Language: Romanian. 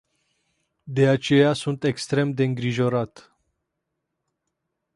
De aceea sunt extrem de îngrijorat.